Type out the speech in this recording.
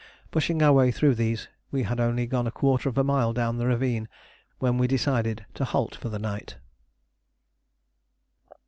Pushing our way through these, we had only gone a quarter of a mile down the ravine when we decided to halt for the night.